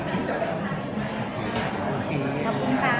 ขอบคุณค่ะ